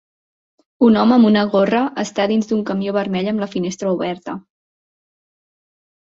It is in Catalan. Un home amb una gorra està dins d'un camió vermell amb la finestra oberta.